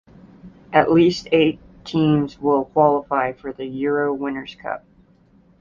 At least eight teams will qualify for the Euro Winners Cup.